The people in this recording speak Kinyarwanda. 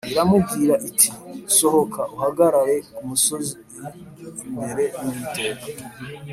Iramubwira iti “Sohoka uhagarare ku musozi imbere y’Uwiteka”